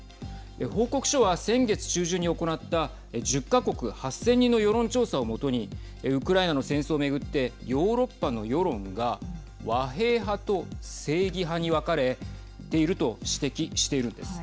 報告書は先月中旬に行った１０か国８０００人の世論調査を基にウクライナの戦争を巡ってヨーロッパの世論が和平派と正義派に分かれていると指摘しているんです。